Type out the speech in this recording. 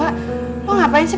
yaudah gue ke depan ya